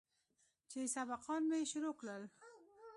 چې سبقان مې شروع کړل.